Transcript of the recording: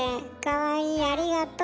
かわいいありがと。